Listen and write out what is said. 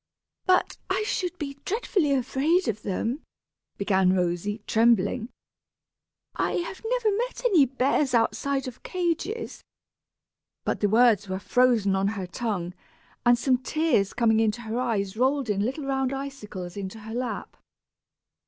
"But I should be dreadfully afraid of them," began Rosy, trembling. "I have never met any bears outside of cages;" but the words were frozen on her tongue, and some tears coming into her eyes rolled in little round icicles into her lap.